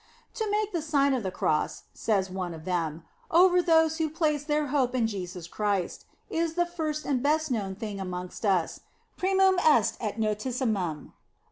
"To make the Sign of the Cross," says one of them, "over those who place their hope in Jesus Christ, is the first and best known thing amongst us, primum est et notissimum.